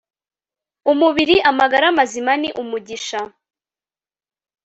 umubiri amagara mazima ni umugisha